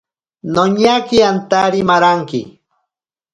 Noñake antari maranki.